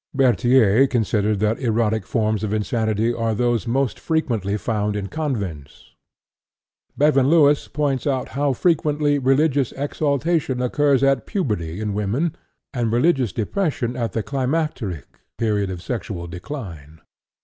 " Berthier considered that erotic forms of insanity are those most frequently found in convents. Bevan Lewis points out how frequently religious exaltation occurs at puberty in women, and religious depression at the climacteric, the period of sexual decline.